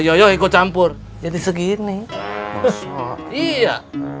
yoyo ikut campur jadi segini iya